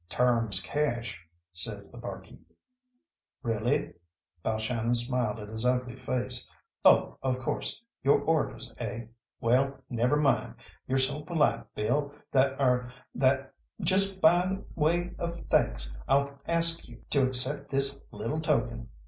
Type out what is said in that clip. "Terms cash," says the bar keep. "Really?" Balshannon smiled at his ugly face. "Oh, of course your orders, eh? Well, never mind. You're so polite, Bill, that er that just by way of thanks I'll ask you to accept this little token."